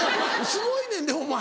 すごいねんでお前。